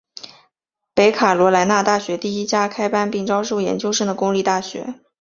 北卡罗来纳大学第一家开班并招收研究生的公立大学。